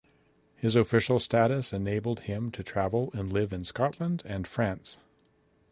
His official status enabled him to travel and live in Scotland and France.